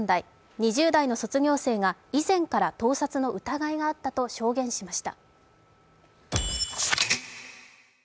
２０代の卒業生が、以前から盗撮の疑いがあったと証言しました。